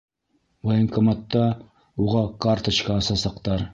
Военкоматта уға карточка асасаҡтар.